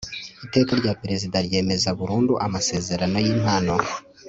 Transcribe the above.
iteka rya perezida ryemeza burundu amasezerano y'impano